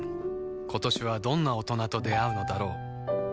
今年はどんな大人と出会うのだろう